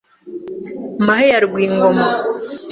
Mahe ya Rwingoma